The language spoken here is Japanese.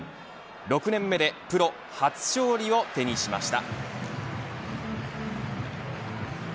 ６年目でプロ初勝利を手にしました。